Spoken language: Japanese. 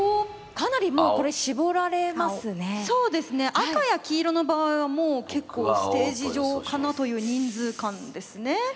赤や黄色の場合はもう結構ステージ上かなという人数感ですね。